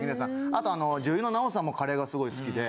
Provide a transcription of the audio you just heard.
あと女優の奈緒さんもカレーがすごい好きで。